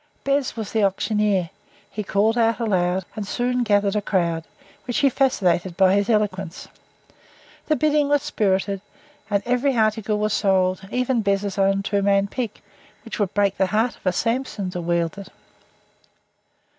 Bez was the auctioneer. He called out aloud, and soon gathered a crowd, which he fascinated by his eloquence. The bidding was spirited, and every article was sold, even Bez's own two man pick, which would break the heart of a Samson to wield it.